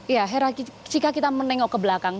ya hera jika kita menengok ke belakang